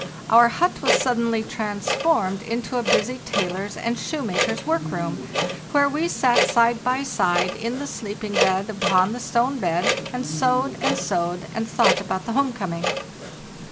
Our hut was suddenly transformed into a busy tailor's and shoemaker's work room, where we sat side by side in the sleeping bag upon the stone bed, and sewed and sewed and thought about the home coming.